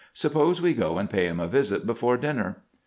Suppose we go and pay him a visit before dinner."